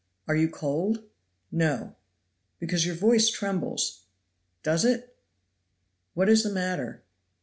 Are you cold?" "No." "Because your voice trembles." "Does it?" "What is the matter?"